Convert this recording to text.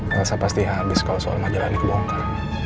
rasa pasti habis kalo soal majalah ini kebongkar